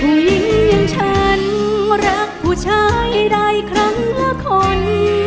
อย่างฉันรักผู้ชายได้ครั้งละคน